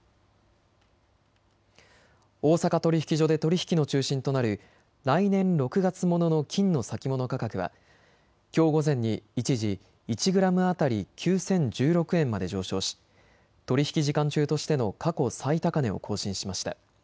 大阪取引所で取り引きの中心となる来年６月ものの金の先物価格はきょう午前に一時１グラム当たり９０１６円まで上昇し、取り引き時間中としての過去最高値を更新しました。